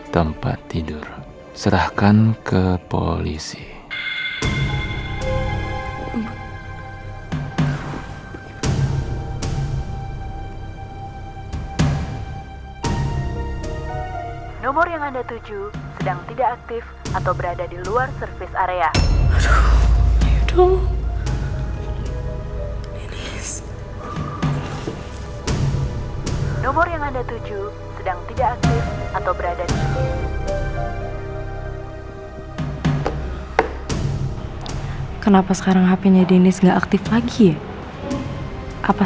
sampai jumpa di video selanjutnya